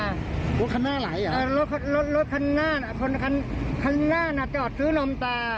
รถคันน่าไหลเหรอรถคันน่าคนคันน่าจอดซื้อนมตา